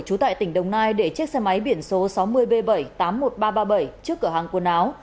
trú tại tỉnh đồng nai để chiếc xe máy biển số sáu mươi b bảy tám mươi một nghìn ba trăm ba mươi bảy trước cửa hàng quần áo